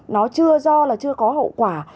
nó chưa do là chưa có hậu quả